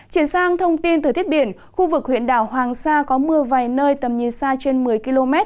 chuyển sang thông tin từ thiết biển khu vực huyện đảo hoàng sa có mưa vài nơi tầm nhìn xa trên một mươi km